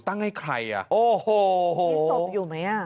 ตั้งให้ใครอ่ะโอ้โหมีศพอยู่มั้ยอ่ะ